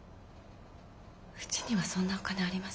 うちにはそんなお金ありません。